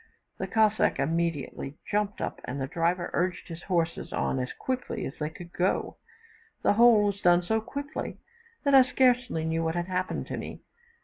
The Cossack immediately jumped up, and the driver urged his horses on as quickly as they could go. The whole was done so quickly that I scarcely knew what had happened to me.